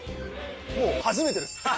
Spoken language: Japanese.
もう初めてです。